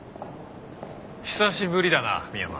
久しぶりだな深山。